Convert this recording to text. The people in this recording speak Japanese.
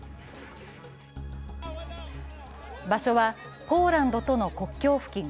場所はポーランドとの国境付近。